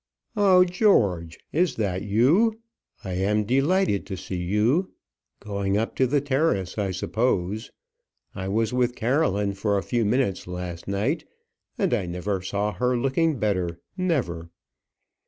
"Oh, George! is that you? I am delighted to see you. Going up to the terrace, I suppose? I was with Caroline for a few minutes last night, and I never saw her looking better never."